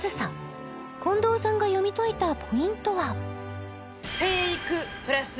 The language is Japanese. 和紗近藤さんが読み解いたポイントは？